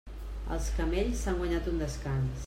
Els camells s'han guanyat un descans.